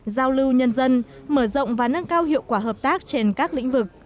giao lưu nhân dân mở rộng và nâng cao hiệu quả hợp tác trên các lĩnh vực